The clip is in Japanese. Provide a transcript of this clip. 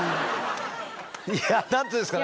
いや何て言うんですかね。